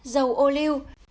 dầu ô liu